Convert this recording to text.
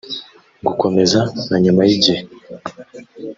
gukomeza na nyuma y’igihe